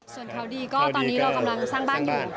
ส่วนเขาดีก็ตอนนี้เรากำลังสร้างบ้านอยู่